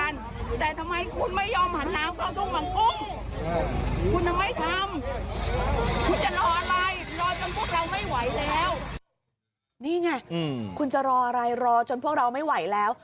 นี่ไงคุณจะรออะไรรอจนพวกเราไม่ไหวแล้ว